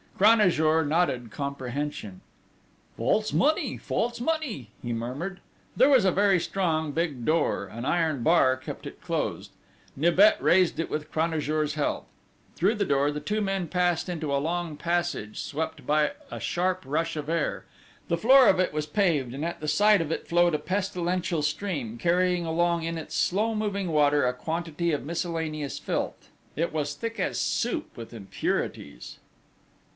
Cranajour nodded comprehension: "False money! False money!" he murmured. There was a very strong big door: an iron bar kept it closed. Nibet raised it with Cranajour's help. Through the door the two men passed into a long dark passage, swept by a sharp rush of air. The floor of it was paved, and at the side of it flowed a pestilential stream, carrying along in its slow moving water a quantity of miscellaneous filth: it was thick as soup with impurities.